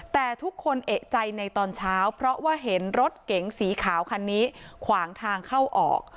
แต่ทุกคนเอกใจในตอนเช้าเพราะว่าเห็นรถเก๋งสีขาวคันนี้ขวางทางเข้าออก